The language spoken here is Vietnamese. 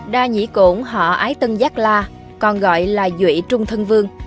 đa nhĩ cổn họ ái tân giác la còn gọi là duỵ trung thân vương